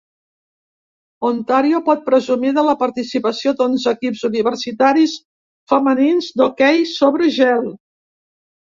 Ontario pot presumir de la participació d'onze equips universitaris femenins d'hoquei sobre gel.